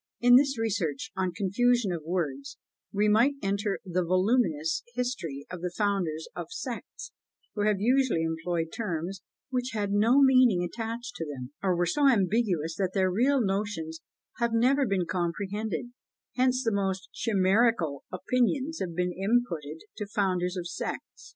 In this research on "confusion of words," might enter the voluminous history of the founders of sects, who have usually employed terms which had no meaning attached to them, or were so ambiguous that their real notions have never been comprehended; hence the most chimerical opinions have been imputed to founders of sects.